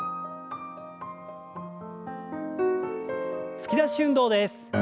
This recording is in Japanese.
突き出し運動です。